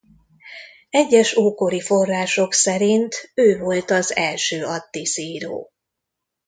Egyes ókori források szerint ő volt az első attisz-író.